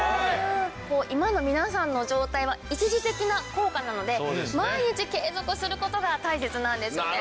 今の皆さんの状態は一時的な効果なので毎日継続する事が大切なんですね。